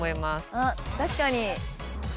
あっ確かに。